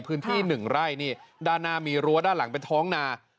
หนึ่งไร่นี่ด้านหน้ามีรั้วด้านหลังเป็นท้องนา